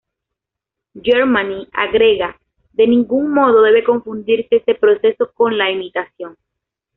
Germani agrega: “De ningún modo debe confundirse este proceso con la imitación.